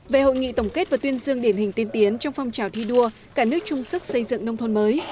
về hội nghị tổng kết và tuyên dương điển hình tiên tiến trong phong trào thi đua cả nước chung sức xây dựng nông thôn mới